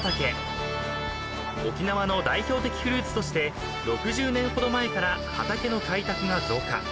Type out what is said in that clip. ［沖縄の代表的フルーツとして６０年ほど前から畑の開拓が増加］